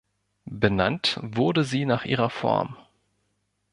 Benannt wurde sie nach ihrer Form.